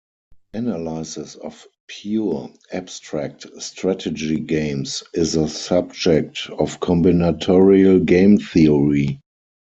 Analysis of "pure" abstract strategy games is the subject of combinatorial game theory.